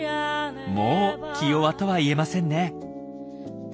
もう気弱とは言えませんね。